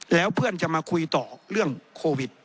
แล้วเพื่อนจะมาคุยต่อเรื่องโควิด